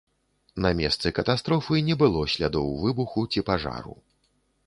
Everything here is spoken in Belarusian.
На месцы катастрофы не было слядоў выбуху ці пажару.